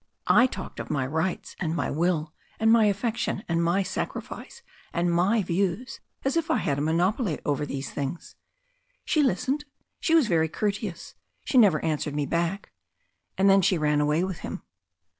I talked of my rights and my will, and my afiFection and my sacrifice, and my views, as if I had a monopoly over these things. She listened — she was very courteous, she never answered me back — ^and then she ran away with him.